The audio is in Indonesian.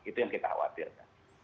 itu yang kita khawatirkan